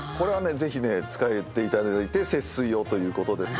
ぜひ使っていただいて節水をということですが。